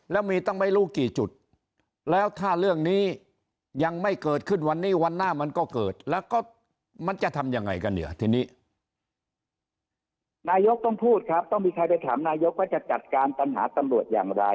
นายกต้องพูดครับต้องมีใครไปถามนายกว่าจะจัดการตำหาตำรวจอย่างไร